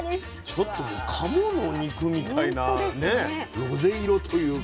ちょっともう鴨の肉みたいなねロゼ色というか。